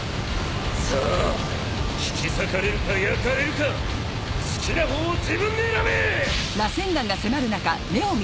さあ引き裂かれるか焼かれるか好きなほうを自分で選べ！